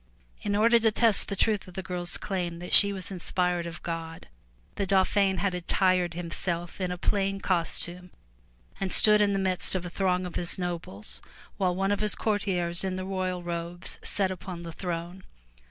In order to test the truth of the girFs claim that she was inspired of God, the Dauphin had attired himself in a plain costume and stood in the midst of a throng of his nobles while one of his courtiers in the royal robes sat upon the throne.